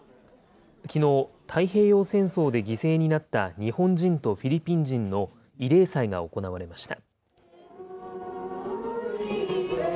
きのう、太平洋戦争で犠牲になった日本人とフィリピン人の慰霊祭が行われました。